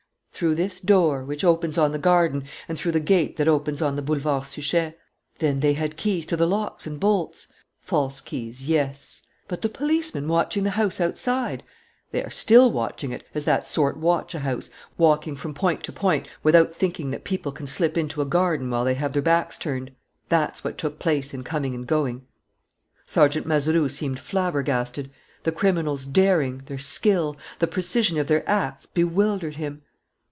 "Through this door, which opens on the garden, and through the gate that opens on the Boulevard Suchet." "Then they had keys to the locks and bolts?" "False keys, yes." "But the policemen watching the house outside?" "They are still watching it, as that sort watch a house, walking from point to point without thinking that people can slip into a garden while they have their backs turned. That's what took place in coming and going." Sergeant Mazeroux seemed flabbergasted. The criminals' daring, their skill, the precision of their acts bewildered him.